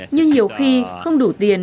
nhưng nhiều khi không đủ tiền